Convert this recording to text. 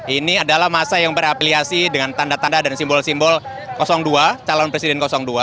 ini adalah masa yang berafiliasi dengan tanda tanda dan simbol simbol dua calon presiden dua